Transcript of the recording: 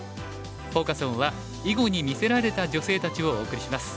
フォーカス・オンは「囲碁に魅せられた女性たち」をお送りします。